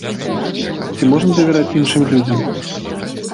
Ці можна давяраць іншым людзям?